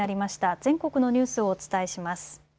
全国のニュースをお伝えします。